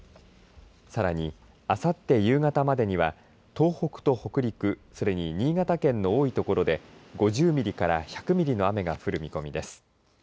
さらに、あさって夕方までには東北と北陸それに新潟県の多いところで５０ミリから１００ミリの雨が降る見込みです。